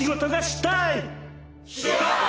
したい！